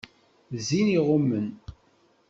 Zzin i iɣummen.